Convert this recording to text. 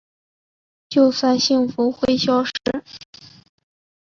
就算幸福会消失